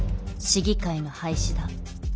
市議会の廃止だ。